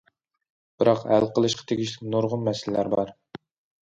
بىراق ھەل قىلىشقا تېگىشلىك نۇرغۇن مەسىلىلەر بار.